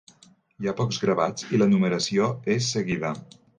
Hi ha pocs gravats i la numeració és seguida.